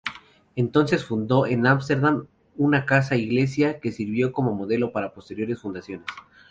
Entonces fundó en Ámsterdam una casa-iglesia que sirvió como modelo para posteriores fundaciones.